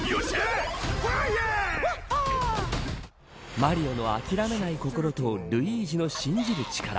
マリオの諦めない心とルイージの信じる力。